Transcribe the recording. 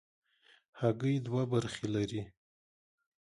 هګۍ دوه برخې لري.